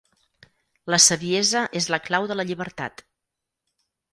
La saviesa és la clau de la llibertat.